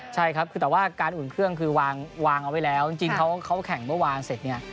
ใช่ครับคือแต่ว่าการอุ่นเครื่องคือวางเอาไว้แล้วจริงเขาแข่งเมื่อวานเสร็จเนี่ย